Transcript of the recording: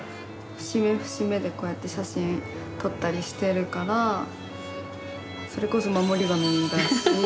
節目節目でこうやって写真撮ったりしてるからそれこそ守り神だし。